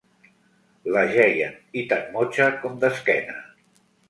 L'ajeien, i tan motxa com d'esquena